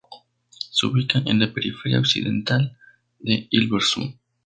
Se ubica en la periferia occidental de Hilversum.